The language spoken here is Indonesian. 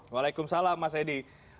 waalaikumsalam mas adi